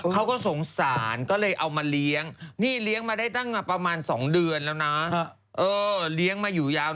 ขอบขอบขอบขอบขอบขอบขอบขอบขอบขอบขอบขอบขอบขอบขอบ